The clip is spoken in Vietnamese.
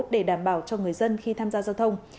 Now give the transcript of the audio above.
để đảm bảo cho người dân khi tham gia giao thông